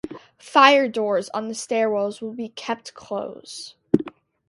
Fire doors on the stairwells will be kept closed.